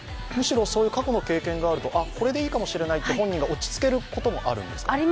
むしろそういう過去の経験があると、これでいいかもしれないと本人が落ち着けることもあるんですか？